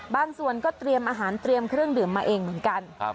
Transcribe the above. บางส่วนก็เตรียมอาหารเตรียมเครื่องดื่มมาเองเหมือนกัน